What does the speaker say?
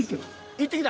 行ってきた？